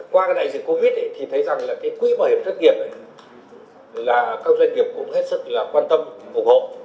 qua cái đại dịch covid thì thấy rằng là cái quỹ bảo hiểm thất nghiệp là các doanh nghiệp cũng hết sức là quan tâm ủng hộ